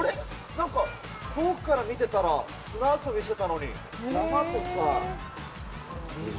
なんか遠くから見てたら、砂遊びしてたのに、山とか水？